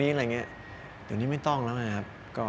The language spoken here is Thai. เดี๋ยวนี้ไม่ต้องแล้วไงครับ